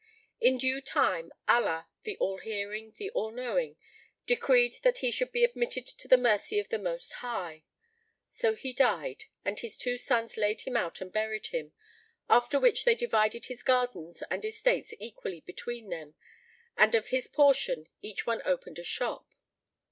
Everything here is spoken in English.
But in due time Allah, the All hearing the All knowing, decreed that he should be admitted to the mercy of the Most High; so he died, and his two sons laid him out and buried him, after which they divided his gardens and estates equally between them and of his portion each one opened a shop.